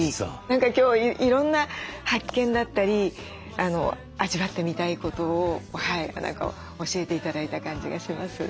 何か今日いろんな発見だったり味わってみたいことを何か教えて頂いた感じがします。